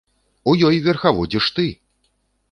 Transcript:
У ёй верхаводзіш ты!